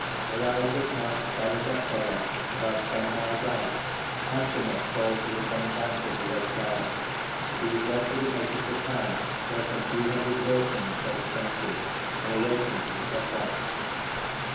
Arrived at Narvskaya Zastava, about ten miles out, Antonov called for the commandant of the Red Guard. He was led to the edge of the town, where some few hundred workmen had dug trenches and were waiting for the Cossacks.